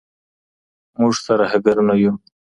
موږ ترهګر نه يو.